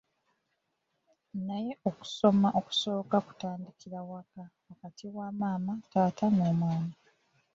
Naye okusoma okusooka kutandikira waka wakati wa maama, taata n’omwana.